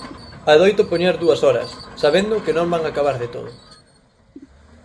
Adoito poñer dúas horas, sabendo que non van acabar de todo.